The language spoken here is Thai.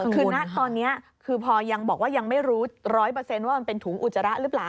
คือณตอนนี้คือพอยังบอกว่ายังไม่รู้๑๐๐ว่ามันเป็นถุงอุจจาระหรือเปล่า